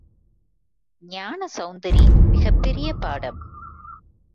ஞானசெளந்தரி மிகப் பெரிய பாடம்.